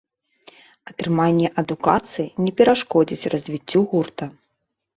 Атрыманне адукацыі не перашкодзіць развіццю гурта.